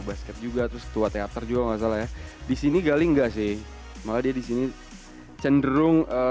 basket juga terus ketua teater juga enggak salah ya di sini gali enggak sih malah dia di sini cenderung